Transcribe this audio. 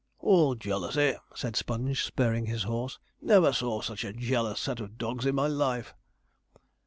'All jealousy,' said Sponge, spurring his horse. 'Never saw such a jealous set of dogs in my life.'